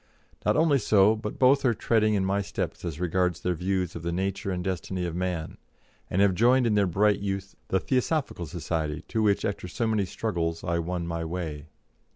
Not only so, but both are treading in my steps as regards their views of the nature and destiny of man, and have joined in their bright youth the Theosophical Society to which, after so many struggles, I won my way.